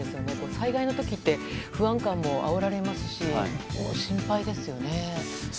災害の時って不安感もあおられますし、心配ですよね。